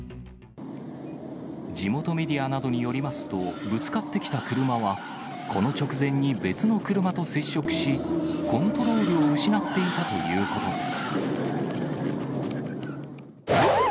地元メディアなどによりますと、ぶつかってきた車は、この直前に別の車と接触し、コントロールを失っていたということです。